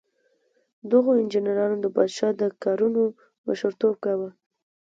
دغو انجینرانو د پادشاه د کارونو مشر توب کاوه.